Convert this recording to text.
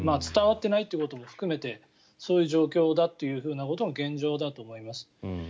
伝わっていないということも含めてそういう状況だということの現状だと思います。